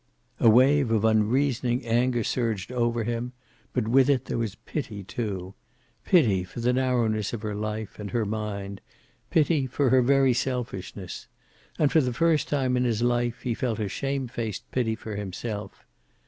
A wave of unreasoning anger surged over him, but with it there was pity, too; pity for the narrowness of her life and her mind, pity for her very selfishness. And for the first time in his life he felt a shamefaced pity for himself.